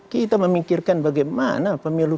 kita memikirkan bagaimana pemilu